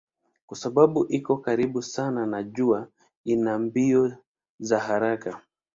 Kwa sababu iko karibu sana na jua ina mbio za haraka.